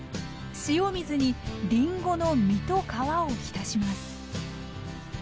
塩水にりんごの実と皮を浸します